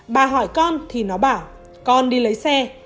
bà hỏi con thì nó bảo con đi lấy xe